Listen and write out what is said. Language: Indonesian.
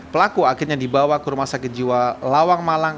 pelaku akhirnya dibawa ke rumah sakit jiwa lawang malang